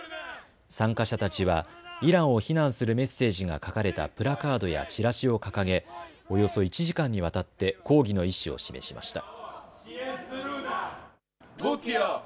参加者たちはイランを非難するメッセージが書かれたプラカードやチラシを掲げおよそ１時間にわたって抗議の意思を示しました。